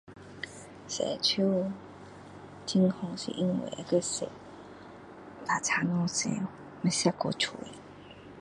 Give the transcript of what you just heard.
洗手是很好是因为把肮脏东西洗去不会吃到嘴里